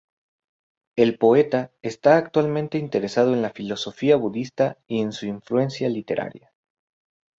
El poeta está actualmente interesado en la filosofía budista y en su influencia literaria.